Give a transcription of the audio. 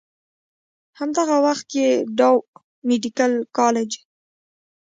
هم دغه وخت ئې ډاؤ ميډيکل کالج